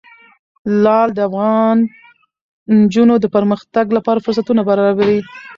لعل د افغان نجونو د پرمختګ لپاره فرصتونه برابروي.